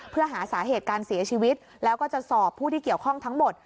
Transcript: เพื่อหาสาเหตุการเสียชีวิตแล้วก็จะสอบผู้ที่เกี่ยวข้องทั้งหมด